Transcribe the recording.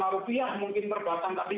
dua puluh lima rupiah mungkin perbatang tapi